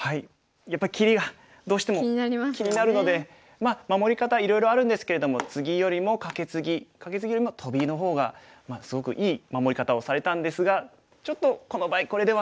まあ守り方はいろいろあるんですけれどもツギよりもカケツギカケツギよりもトビの方がすごくいい守り方をされたんですがちょっとこの場合これでは。